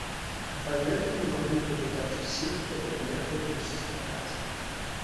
Адпаведна не маглі прывітаць усіх, хто прыехаў іх сустракаць.